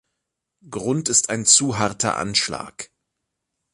Grund ist ein zu harter Anschlag.